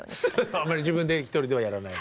あまり自分で一人ではやらないと。